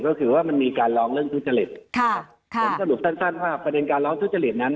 ก็คือว่ามันมีการร้องเรื่องทุจริตค่ะผมสรุปสั้นสั้นว่าประเด็นการร้องทุจริตนั้น